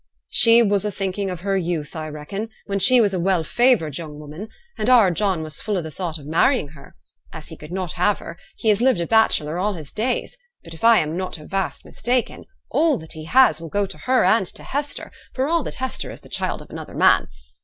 'She was a thinking of her youth, I reckon, when she was a well favoured young woman, and our John was full of the thought of marrying her. As he could not have her, he has lived a bachelor all his days. But if I am not a vast mistaken, all that he has will go to her and to Hester, for all that Hester is the child of another man.